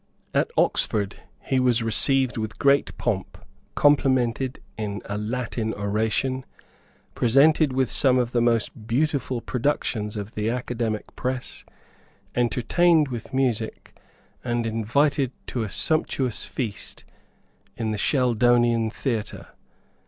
At Oxford he was received with great pomp, complimented in a Latin oration, presented with some of the most beautiful productions of the Academic press, entertained with music, and invited to a sumptuous feast in the Sheldonian theatre.